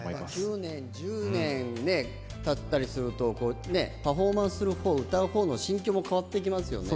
９年、１０年たったりするとパフォーマンスの方歌う方の心境も変わってきますよね。